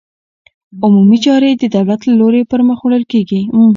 عمومي چارې د دولت له لوري پرمخ وړل کېږي.